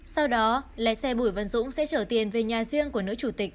sau đó lái xe bùi văn dũng sẽ trở tiền về nhà riêng của nữ chủ tịch